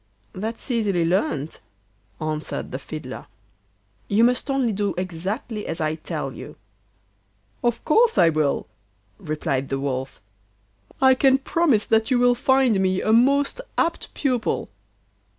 'That's easily learned,' answered the fiddler; 'you must only do exactly as I tell you.' 'Of course I will,' replied the Wolf. 'I can promise that you will find me a most apt pupil.